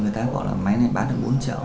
người ta gọi là máy này bán được bốn triệu